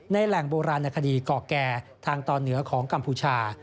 แหล่งโบราณคดีก่อแก่ทางตอนเหนือของกัมพูชา